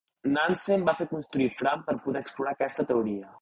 Nansen va fer construir Fram per poder explorar aquesta teoria.